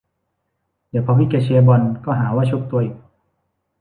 เดี๋ยวพอพี่แกเชียร์บอลก็หาว่าชุบตัวอีก